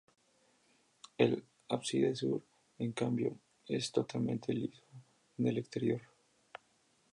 El ábside sur, en cambio, es totalmente liso en el exterior.